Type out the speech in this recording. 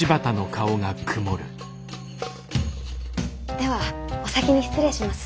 ではお先に失礼します。